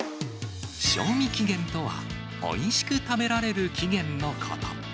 賞味期限とは、おいしく食べられる期限のこと。